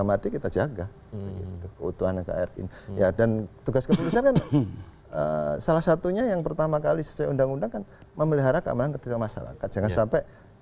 atau terjadinya yang pertama kali seundang undangan memelihara keamanan ketika masyarakat jangan sampai